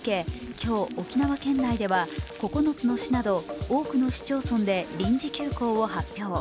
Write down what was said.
今日、沖縄県内では９つの市など多くの市町村で臨時休校を発表。